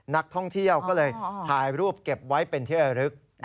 นักท่องเที่ยวก็เลยถ่ายรูปเก็บไว้เป็นที่ระลึก